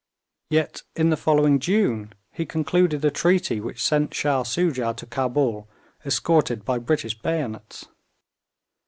Yet, in the following June, he concluded a treaty which sent Shah Soojah to Cabul, escorted by British bayonets.